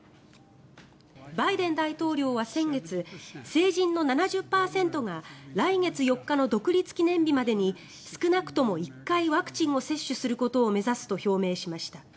バイデン大統領は先月成人の７０％が来月４日の独立記念日までに少なくとも１回ワクチンを接種することを目指すと表明しました。